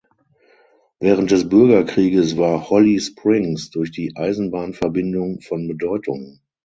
Während des Bürgerkrieges war Holly Springs durch die Eisenbahnverbindung von Bedeutung.